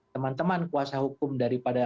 teman teman kuasa hukum daripada